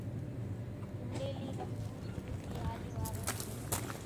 ڌوڙيلي رموون شروع ٿي ھاليو آوي سي ريو